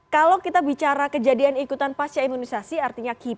kalau kita bicara kejadian ikutan pasca imunisasi artinya